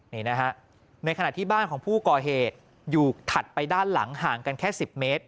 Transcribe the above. นี่นะฮะในขณะที่บ้านของผู้ก่อเหตุอยู่ถัดไปด้านหลังห่างกันแค่๑๐เมตร